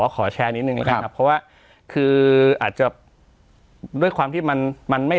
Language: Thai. ขอแชร์นิดหนึ่งนะครับเพราะว่าคืออาจจะด้วยความที่มันมันไม่